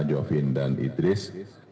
jovin dan idris